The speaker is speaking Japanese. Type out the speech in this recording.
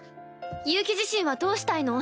悠希自身はどうしたいの？